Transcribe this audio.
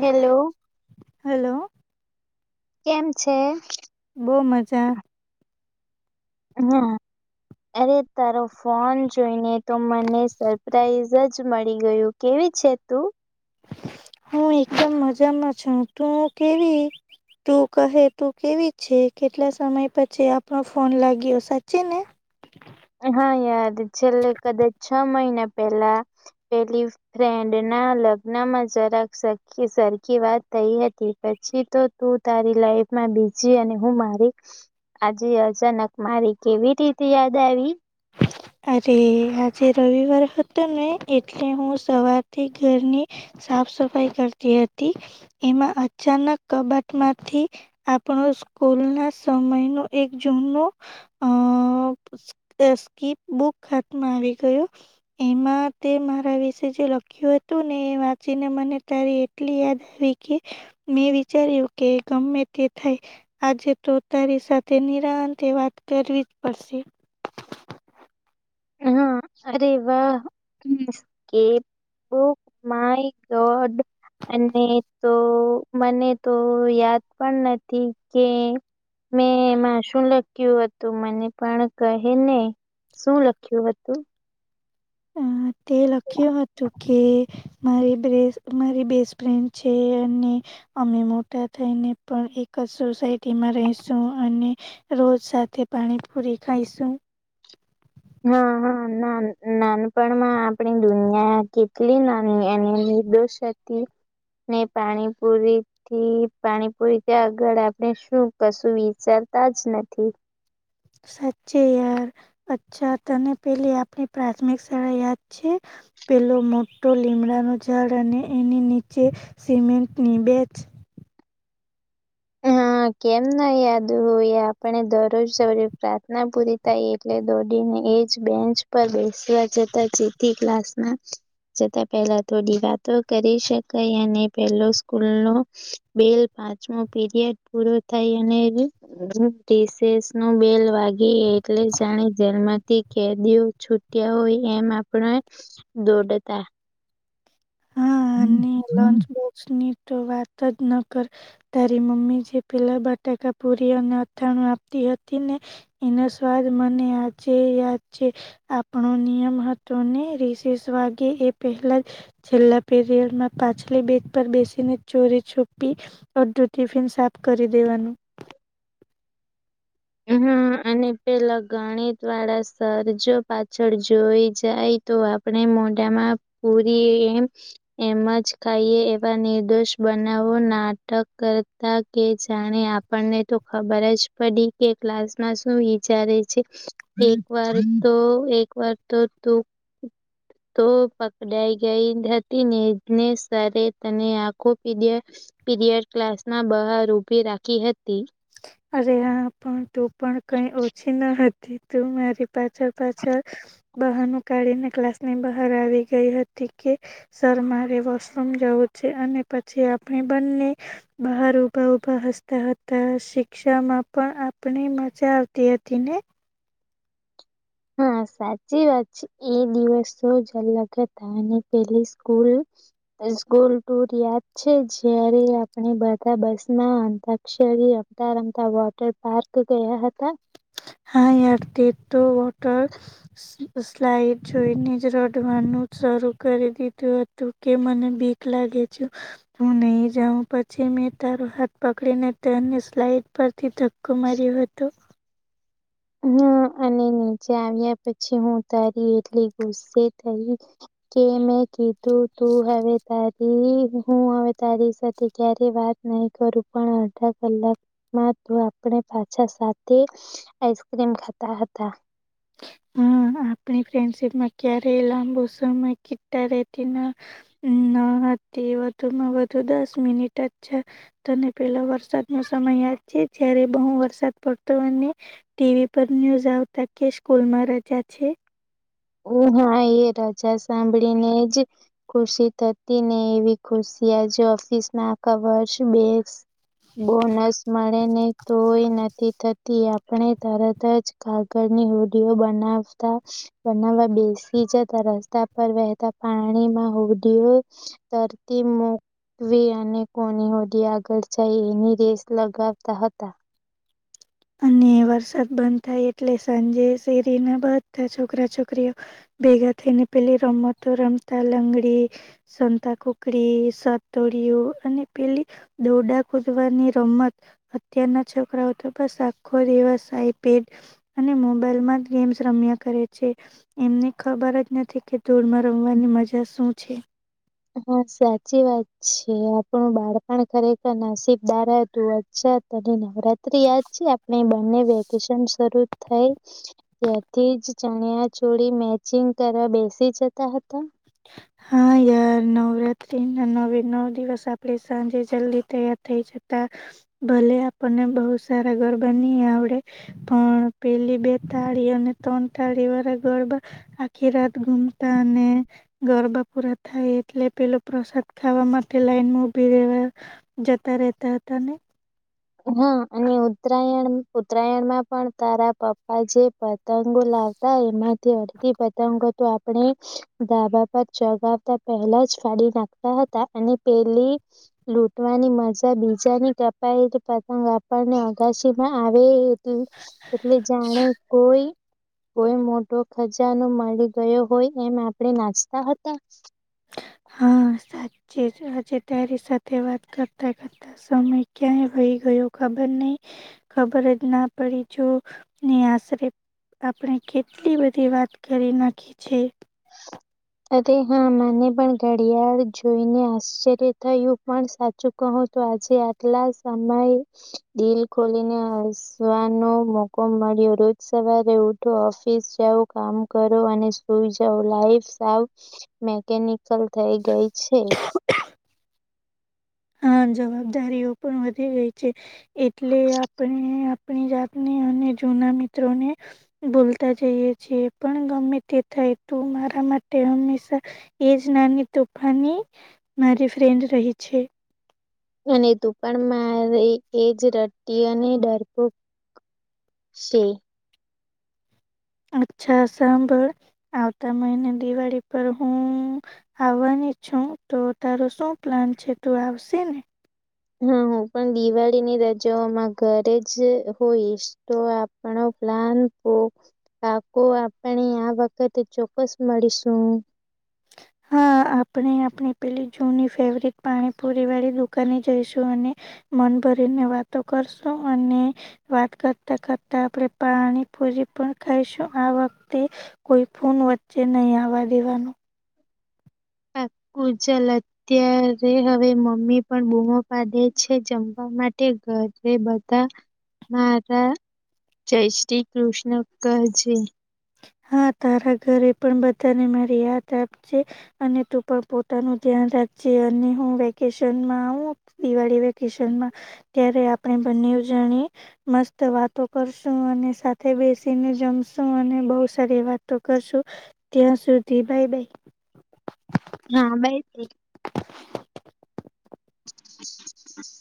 Hello hello કેમ છે બહુ મજા હા અરે તારો ફોન જોઈને તો મને સરપ્રાઈઝ જ મળી ગયું કે આવી છેતું હું એકદમ મજામાં છું તું કેવી તું કહે તું કેવી છે કેટલા સમય પછી આપણો ફોન લાગ્યો સાચી ને હા યાર છેલ્લે કદાચ છ મહિના પેલા પેલી ફ્રેન્ડ ના લગ્નમાં જરાક સરખી વાત થઈ હતી પછી તો તું તારી લાઇફ બીજી અને હું મારી આજે અચાનક મારી કેવી રીતે યાદ આવી [inaudible] અરે આજે રવિવાર હતો ને એટલે હું સવારથી ઘરની સાફ સફાઈ સફાઈ કરતી હતી એમાં અચાનક કબટમાંથી આપણો સ્કૂલ કૂલ ના સમય ન એક જૂનો અહહ- સ્કીપ બુક હાતમાં આવી ગયો એમાં તે મારા વિશે જે લખ્યો હતું અને વાંચીને મને તારી એટલી યાદ આવી કે મેં વિચાર્યું કે ગમે તે થાય આજે તો તારી સાથે નિરા અંતે વાત કરવી જ પડશે- હા અરે વાહ બુ માઇ ગોડ અને તો મને તો યાદ પણ નથી કે મેં એમાં શું લખ્યું હતું મને પણ કહે ને શું લખ્યું કહ્યું હતું અ તે લખ્યું હતું કે મારી બે મારી બેસ્ટફ્રેન્ડ છે. અમે મોટા થઈ ને પણ એક જ સોસાયટીમાં રેસુ અને રોજ સાથે પાણીપુરી ખાઈશું [inaudible] હા હા ના નાનપણમાં આપણી દુનિયા કેટલી નાની એની [unintelligible] ને પાણીપુરી થી પાણીપુરિ થી આગળ આપણે શું કશું વિચાર તા જ નથી સાચે યાર અચ્છા તને પેલી આપણી પ્રાથમિક શાળા યાદ છે. પેલો મોટો લીમડાનો ઝાડ અને એની નીચે સિમેન્ટની બેચ [inaudible] હા કેમ ના યાદ હોય આપણે દરરોજ સવારે પ્રાર્થના પૂરી થાય એટલે દોડી એજ બેન્ચ પર બેસવા જતા જેથી ક્લાસમાં જતાં પહેલા થોડી વાતો કરી શકાય અને પેલો સ્કૂલનો બેલ પાંચમો પીરીયડ પૂરો થાય અને જ રીસેસનો બેલ વાાગી એ એટલે જાણે જેલમાં કેદીઓ છૂટ્યા હોય એમ આપણે દોડતા હમ લંચ બોક્સ ની તો વાત જ ન કર તારી મમ્મી જે પેલા બટાકા પુરી અને અથાણું આપતી ને એનો સ્વાદ મને આજે યાદ છે આપણો નિયમ હતો અને રિષિષ વાગે એ પહેલા જ છેલ્લા પીરિયડમાં પાછલી બેગ પર બેસીને ચોરી છુપી અડધું ટિફિન સાફ કરી દેવાનું [inaudible] હમમ અને પેલા ગણિત વાળા સર જો પાછળ જોઈ જાય તો આપણે મોઢામાં પૂરી એમ એમ જ ખાઈએ એવા નિર્દોષ બનાવો ના નાટક કરતા કે જાણે આપણને તો ખબર જ પડી કે ક્લાસમાં શું વિચારે છે એક વાર તો એક વાર તો તું તો પકડાઈ ગઈ હતી ને નેે સર તને આખો પીરીયડ પીરિયડ ક્લાસ ના બહાર ઉભી રાખી હતી. અરે હ પણ તું પણ કઈ ઓછી ન હતી તું મારી પાછળ પાછળ બહનું કાઢી ને ક્લાસ ની બહાર આવી ગઈ હતી કે સર મારે વોશરૂમ જવું છે અને પછી આપણે બંને બાર ઉબા ઉભા હસ્તા હતા શીખ ક્ષમા પણ આપણે મજા આવતી હતી ને હા સાચી વાત છે એ દિવસ તો જ અલગ હતા પેલી સ્કૂલ સ્કૂલ ટુર યાદ છે જયારે આપણે બધા બસમાં અતાક્ષરી રમતા રમતા વોટર પાર્ક ગયા હતા. હા યાર તે તો વોટર સ-સ્લાઈડ જોઈને જ રડવાનું શરુ કરી દીધું હતું કે મને બીક લાગે જ હું નહી જાઉં પછી મે તારો હાથ પકડીને તેને સ્લાઈડ પરથી ધક્કો માર્યો હતો. [unintelligible] હમ્મ અને નીચે આવ્યા પછી હું તારી એટલી ગુસ્સે થઈ. કે મેં કીધું તું હવે તારી હું હવે તારી સાથે ક્યારે વાત નહી કરું પણ અડધા કલાકમાં તો આપ [unintelligible] પાછા સાથે આઈસક્રીમ ખાતા હતા. હમ્મ આપણી ફ્રેન્ડશીપમાં ક્યારેય લાંબો સમય કિટ્ટા રહેતીના ન તે વધુ માં વધુ દસ મિનિટ જ [unintelligible] તને પેલો વરસાદ નો સમય યાદ છે ત્યારે બહુ વરસાદ પડતો અને ટીવી પર ન્યુઝ આવતા કે સ કુલમાં રજા છે. [unintelligible] હા એ રજા સાંભળીને જ ખુશી થતી ને એવી ખુશી સીઆર જો ઓફિસ ના કવર્સ, [unintelligible] બોનસ મળે ને તોય નથી થતી આપણે તરત જ કાગળ ની હોડિયો બનાવતા. બનાવા બેસી જતા રસ્તા પર વહેતા પાણી માં હોડીઓ તરતી [unintelligible] [unintelligible] અને કોની હોડી આગળ જાય એની રેસ લગાવતા હતા. અને વરસાદ બંધ થાય એટલે સાંજે શેરી ના બધા છોકરા-છોકરીઓ ભેગા થઈને ને પેલી રમતો રમતા લંગડી, સંતાકુકડી, સતોળિયું અને પેલી દોરડા કુદવાની રમત [unintelligible] છોકરાઓ તો બસ આખો દિવસ આઈપેડ અને મોબાઈલમાં જ ગેમ્સ રમ્યા કરે છે ને ખબર જ નથી કે ધૂળમાં રમવાની મજા શું છે. હા સાચી વાત છે, આપણું બાળપણ ખરેખર નાસીબદાર હતું [unintelligible] નવરાત્રી યાદ છે, આપણે બંને વેકેશન શરૂ થાય ત્યાથી જ ચણ્યાચોડી મેચિંગ કરવા બેસી જતા હતા. હા યાર નવરાત્રી ના નવે નવ દિવસ આપડે સાંજે જલ્દી તૈયાર થઇ જ તા ભલે આપણને બહ સારા ગરબાની આવડે પણ પેલી બે તાળી અને ત્રણ તાળી વાળા ગરબા આખી રાત ગુમતા અને ગરબા પૂરા થાય એટલે પેલો પ્રસાદ ખાવા માટે લાઈન ઉભી રહેવા જતા. રેતા હતાને. હા અને ઉત્તરાયણ ઉત્તરાયણમાં પણ તારા પપ્પા જે પ પતંગો લાવતા એમાંથી અડધી પતંગો તો આપણે ધાબા પર ચગાવતા પહેલા જ ફાડી નાખતા હતા અને પેલી લૂટવાની મજા બીજાની કપાઈ પતંગ આપણને અગાશીમાં આવે એટલે જાણે કોઈ કોઈ મોટો ખજાનો મળી ગયો હોય એમ આપણે નાચતા હતા. હા સાચી જ આજે તારી સાથે વાત કરતા કરતા સમય ક્યાં વહી ગયો ખબર નહીં ખબર જ ના પડી જો આશરે આપણે કેટલી બધી વાત કરી નાખી છે. [inaudible] અરે હા મને પણ ઘડિયાળ જોઈને આશ્ચર્ય થયું પણ સાચું કહું તો. [unintelligible] આટલા સમય દિલ ખોલીને હસવાનો મોકો મળ્યો. રોજ સવારે ઉઠો ઓફિસ જાવ કામ કરો અને સુઈ. [unintelligible] સાવ મેકેનિકલ થઈ ગઈ છે. હા જવાબદારીઓ પણ વધી ગઈ છે, એટલે આપણે. આપણી જાતને અને જૂના મિત્રોને બોલતા જઈએ છી પણ ગમે તે થાય. મારા માટે હમેશા એજ નાની તોફાની મારી ફ્રેન્ડ રહી. [unintelligible] અને તું પણ મારે એ જ રટ્ટટી અને [unintelligible] [unintelligible] અચ્છા સાંભળ આવતા મહિને દિવાળી પર હું આવવાની. છું તો તારું શું પ્લાન છે તું આવશે ને હા હ પણ દિવાળીની રજાઓમાં ઘરે જ હોઈશ તો આપણો પ્લાન ફોક પાકો આપણે આ વખત ચોક્કસ મળીશું. હા આપણે આપની પેલી જુની ફેવરેટ પાણીપુરી વાળી દુકાને જઈશું અને મન ભરીને વાતો કરશું અને વાત કરતા કરતા આપણે પાણી પૂરી પણ ખાઈશું આ વખતે કોઈ ફોન વચ્ચે નય આવવા દેવાનું પાકુ ચલ અત્યારે હવે મમ્મી પણ બૂમો પાડે છે જમવા માટે ઘરે બધા મારા જય શ્રી કૃષ્ણ કહજે હા તારા ઘરે પણ બધાને મારી યાદ આપજે અને તું પણ પોતાનું ધ્યાન રાખજે અને હું વેકેશનમાં આવુ દિવાળી વેકેશનમાં ત્યારે આપણે બંનેવ જણી મસ્ત વાતો કરશું અને સાથે બેસીને જમશું અને બવ સારી વાતો કરશું ત્યાં સુધી બાય બાય હા બાય બાય [inaudible]